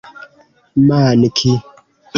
manki